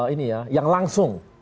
ini ya yang langsung